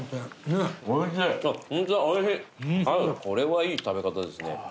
これはいい食べ方ですね。